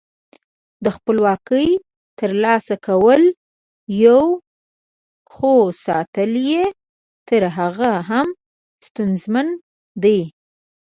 د خپلواکۍ تر لاسه کول یو، خو ساتل یې تر هغه هم ستونزمن دي.